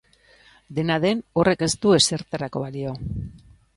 Dena den, horrek ez du ezertarako balio.